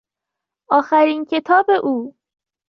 آخرین کتاب او